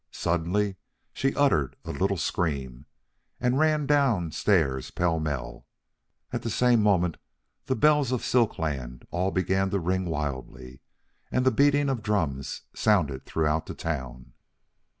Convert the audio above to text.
Suddenly she uttered a little scream, and ran down stairs pell mell. At the same moment the bells of Silk Land all began to ring wildly, and the beating of drums sounded through the town.